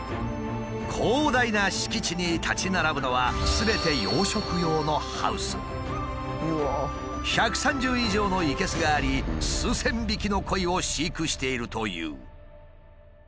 広大な敷地に立ち並ぶのはすべて１３０以上の生けすがあり数千匹のコイを飼育しているという。